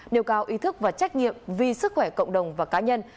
nêu cao ý thức và trách nhiệm vì sức khỏe cộng đồng và cá nhân